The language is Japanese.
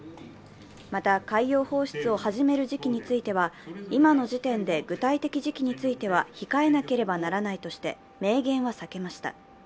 また、海洋放出を始める時期については今の時点で具体的時期については控えなければならないとして明言は避けました。